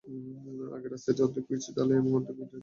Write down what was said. আগে রাস্তাটির অর্ধেক পিচ ঢালাই এবং অর্ধেক ইটের খোয়া বিছানো ছিল।